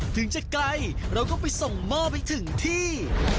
แบบนี้